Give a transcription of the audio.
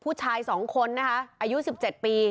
ผู้ชาย๒คนนะคะอายุ๑๗ปี